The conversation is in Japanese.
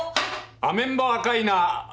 アメンボ赤いな。